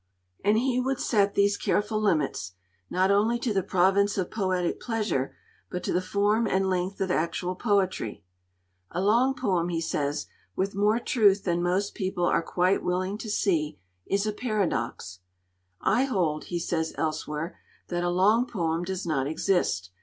And he would set these careful limits, not only to the province of poetic pleasure, but to the form and length of actual poetry. 'A long poem,' he says, with more truth than most people are quite willing to see, 'is a paradox.' 'I hold,' he says elsewhere, 'that a long poem does not exist.